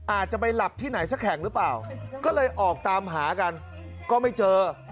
อาจจะไปหลับที่ไหนสักแห่งหรือเปล่าก็เลยออกตามหากันก็ไม่เจอ